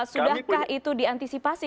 sudahkah itu diantisipasi